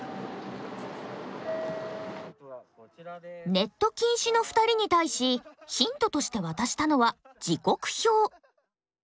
ネット禁止の２人に対しヒントとして渡したのは時刻表。